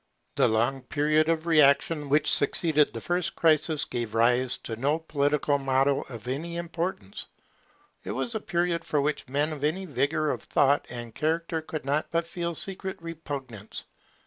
The long period of reaction which succeeded the first crisis gave rise to no political motto of any importance. It was a period for which men of any vigour of thought and character could not but feel secret repugnance.